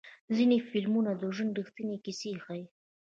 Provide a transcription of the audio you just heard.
ځینې فلمونه د ژوند ریښتینې کیسې ښیي.